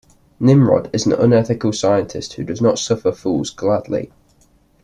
Nimrod is an unethical scientist who does not suffer fools gladly.